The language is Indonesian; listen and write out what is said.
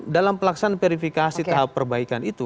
dalam pelaksanaan verifikasi tahap perbaikan itu